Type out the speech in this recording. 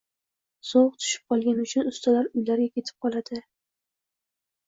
Sovuq tushib qolgani uchun ustalar uylariga ketib qoldi